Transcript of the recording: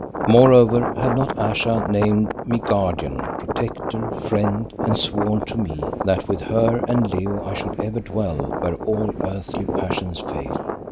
Moreover, had not Ayesha named me Guardian, Protector, Friend, and sworn to me that with her and Leo I should ever dwell where all earthly passions fail.